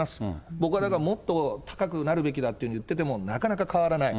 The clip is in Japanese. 僕はだからもっと高くなるべきだっていうふうに言ってても、なかなか変わらない。